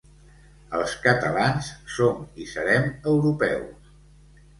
Els catalans som i serem europeus.